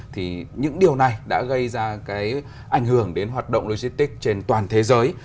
thì những điều này đã gây ra cái ảnh hưởng đến hoạt động logistics trên toàn thế giới